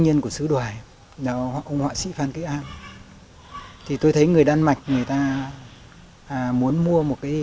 nhân của sứ đoài hoặc ông họa sĩ phan thế an thì tôi thấy người đan mạch người ta muốn mua một cái